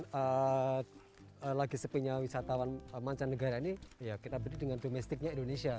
masa lagi sepenyawa wisatawan mancanegara ini ya kita berdiri dengan domestiknya indonesia